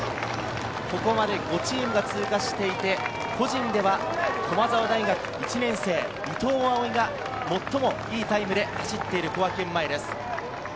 ここまで５チームが通過していて、個人では駒澤大学１年生・伊藤蒼唯が最もいいタイムで走っている小涌園前です。